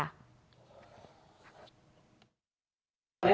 แม่ง